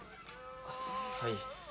はい。